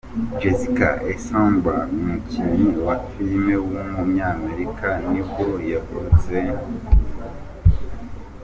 Jesse Eisenberg, umukinnyi wa filime w’umunyamerika nibwo yavutse.